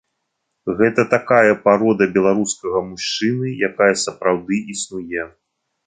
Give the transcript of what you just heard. Гэта такая парода беларускага мужчыны, якая сапраўды існуе.